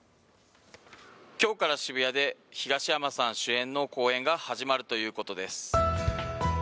今日から渋谷で東山さん主演の公演が始まるということです。